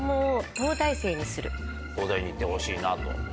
東大に行ってほしいなと。